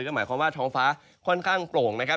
แต่ว่าในช่วงบ่ายนะครับอากาศค่อนข้างร้อนและอุ๊บนะครับ